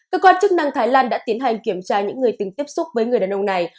cơ quan chức năng thái lan đã tiến hành kiểm tra những người từng tiếp xúc với người đàn ông này